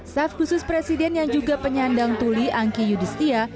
staff khusus presiden yang juga penyandang tuli angki yudhistia